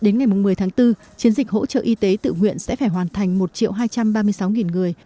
ngày một mươi tháng bốn chiến dịch hỗ trợ y tế tự nguyện sẽ phải hoàn thành một triệu hai trăm ba mươi sáu nghìn người